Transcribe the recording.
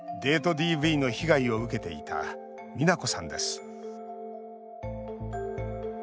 ＤＶの被害を受けていた美奈子さんです。